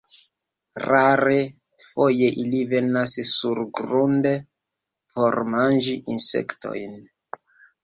Rare, foje, ili venas surgrunde por manĝi insektojn.